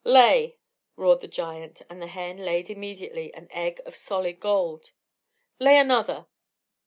"Lay!" roared the giant, and the hen laid immediately an egg of solid gold. "Lay another!"